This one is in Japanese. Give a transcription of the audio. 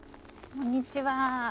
こんにちは。